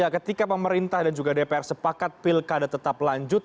ketika pemerintah dan juga dpr sepakat pilkada tetap lanjut